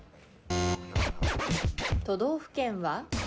都道府県は？